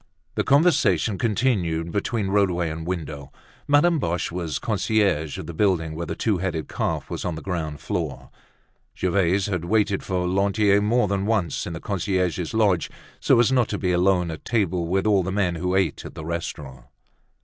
The conversation continued between roadway and window. Madame Boche was concierge of the building where the "Two Headed Calf" was on the ground floor. Gervaise had waited for Lantier more than once in the concierge's lodge, so as not to be alone at table with all the men who ate at the restaurant.